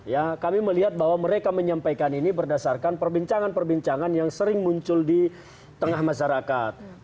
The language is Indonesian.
ya kami melihat bahwa mereka menyampaikan ini berdasarkan perbincangan perbincangan yang sering muncul di tengah masyarakat